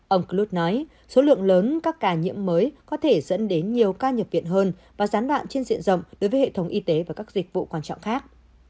ông chlut nói số lượng lớn các ca nhiễm mới có thể dẫn đến nhiều ca nhập viện hơn và gián đoạn trên diện rộng đối với hệ thống y tế và các dịch vụ quan trọng khác